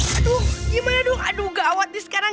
aduh gimana dong aduh gak awet nih sekarang